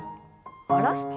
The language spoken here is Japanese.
下ろして。